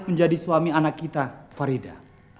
menjadi suami anak kita farida